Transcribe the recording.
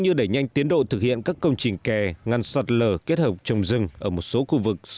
như đẩy nhanh tiến độ thực hiện các công trình kè ngăn sạt lở kết hợp trồng rừng ở một số khu vực